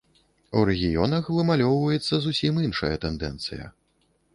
У рэгіёнах вымалёўваецца зусім іншая тэндэнцыя.